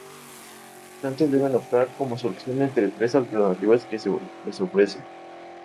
Los concursantes deben optar, como solución, entre tres alternativas que se les ofrecen.